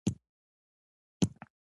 رس د وینې فشار کموي